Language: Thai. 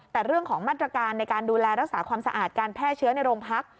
แต่เรื่องของมาตรการในการดูแลรักษาความสะอาดการแพร่เชื้อในโรงพัก